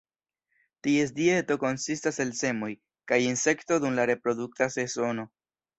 Ties dieto konsistas el semoj, kaj insekto dum la reprodukta sezono.